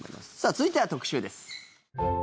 続いては特集です。